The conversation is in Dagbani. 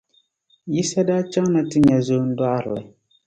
Yisa daa ti chaŋ na nti nya zoondɔɣirili.